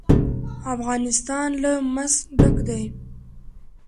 افغانستان له مس ډک دی.